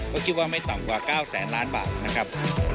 ก็คิดว่าไม่ต่ำกว่า๙แสนล้านบาทนะครับ